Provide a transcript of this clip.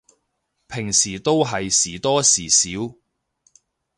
平時都係時多時少